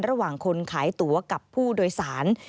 ระหว่างคนขายตั๋วกับผู้โดยสาร